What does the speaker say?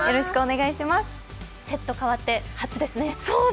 セット変わって初ですね。